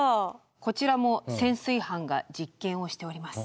こちらも潜水班が実験をしております。